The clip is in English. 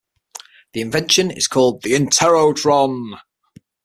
The invention is called the Interrotron.